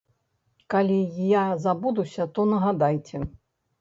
Калі я забудуся, то нагадайце.